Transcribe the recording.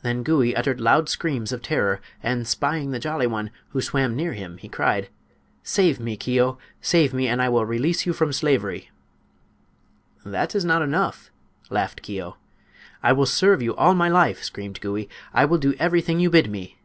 Then Gouie uttered loud screams of terror, and, spying the Jolly One, who swam near him, he cried: "Save me, Keo! Save me, and I will release you from slavery!" "That is not enough," laughed Keo. "I will serve you all my life!" screamed Gouie; "I will do everything you bid me!"